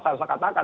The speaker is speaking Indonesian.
saya harus katakan